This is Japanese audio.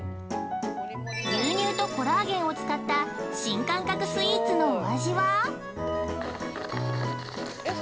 牛乳とコラーゲンを使った新感覚スイーツのお味は？